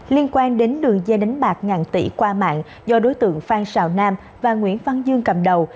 liên quan đến đường dây đánh bạc ngàn tỷ qua mạng do đối tượng phan xào nam và nguyễn văn dương cầm đầu